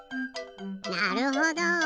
なるほど。